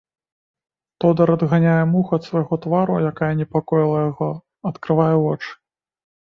Тодар адганяе муху ад свайго твару, якая непакоіла яго, адкрывае вочы.